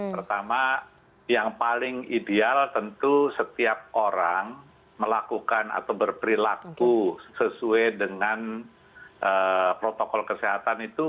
pertama yang paling ideal tentu setiap orang melakukan atau berperilaku sesuai dengan protokol kesehatan itu